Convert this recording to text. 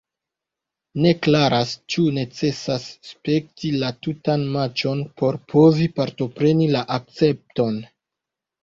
Ne klaras ĉu necesas spekti la tutan matĉon por povi partopreni la akcepton.